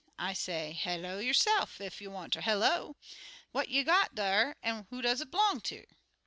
I say, 'Hello yo'se'f, ef you wanter hello. What you got dar, an' who do it 'blong ter?'